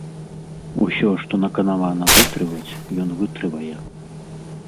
Усё, што наканавана вытрываць, ён вытрывае.